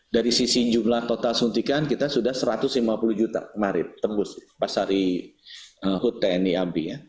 dari sisi jumlah total suntikan kita sudah satu ratus lima puluh juta kemarin tembus pas hari hut tni ab